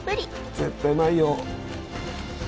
絶対うまいよ！